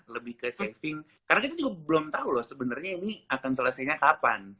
lebih ke saving karena kita juga belum tahu loh sebenarnya ini akan selesainya kapan